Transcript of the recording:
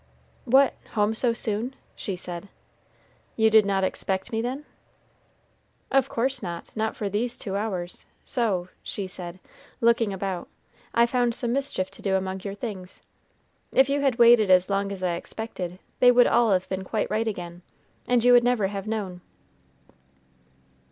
"What, home so soon?" she said. "You did not expect me, then?" "Of course not, not for these two hours; so," she said, looking about, "I found some mischief to do among your things. If you had waited as long as I expected, they would all have been quite right again, and you would never have known."